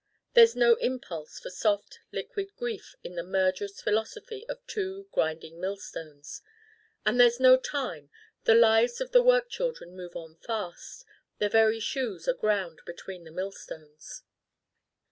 There's no impulse for soft liquid grief in the murderous philosophy of two grinding millstones. And there's no time the lives of the work children move on fast. Their very shoes are ground between the millstones.